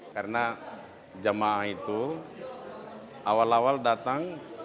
karena jamah itu awal awal datang